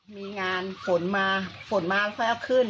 มีงานฝนมาฝนมาแล้วก็เอาขึ้น